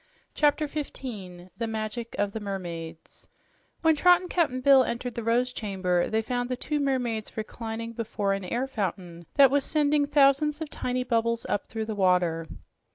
CHAPTER 15 THE MAGIC OF THE MERMAIDS When Trot and Cap'n Bill entered the Rose Chamber they found the two mermaids reclining before an air fountain that was sending thousands of tiny bubbles up through the water.